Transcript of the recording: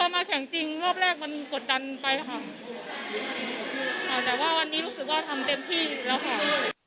มาแข่งจริงรอบแรกมันกดดันไปค่ะแต่ว่าวันนี้รู้สึกว่าทำเต็มที่แล้วค่ะ